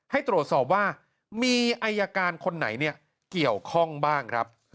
ให้ตรวจสอบว่ามีอายการคนไหนเกี่ยวข้องบ้างครับ